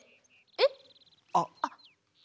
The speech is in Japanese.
えっ！？